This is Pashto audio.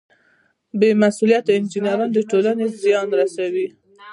بې مسؤلیته انجینران ټولنې ته زیان رسوي.